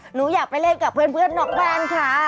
หนูอยากไปเล่นกับเพื่อนนอกบ้านค่ะ